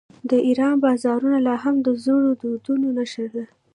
د ایران بازارونه لا هم د زړو دودونو نښه ده.